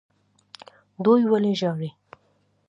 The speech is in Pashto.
دوی ولې ژاړي.